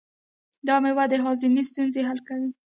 دا مېوه د هاضمې ستونزې حل کوي.